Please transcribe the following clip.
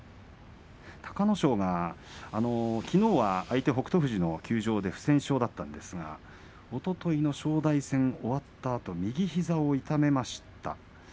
隆の勝がきのうは相手北勝富士の休場で不戦勝だったんですがおとといの正代戦が終わったあと右膝を痛めました。